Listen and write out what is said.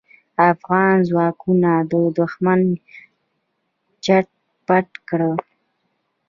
افغان ځواکونو دوښمن چټ پټ کړ.